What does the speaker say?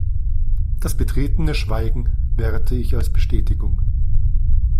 Das betretene Schweigen werte ich als Bestätigung.